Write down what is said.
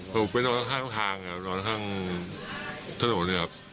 ผมไปนอนข้างทางนอนข้างถนน